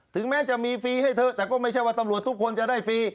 ถึงแม้จะมีฟรีให้เธอแต่ก็ไม่ใช่ว่าตำรวจทุกคนจะได้ฟรี